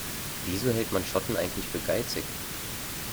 Wieso hält man Schotten eigentlich für geizig?